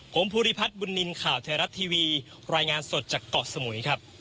ผมภูริพัฒน์บุญนินทร์ข่าวไทยรัฐทีวีรายงานสดจากเกาะสมุยครับ